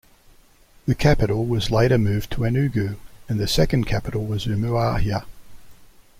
The capital was later moved to Enugu and the second capital was Umuahia.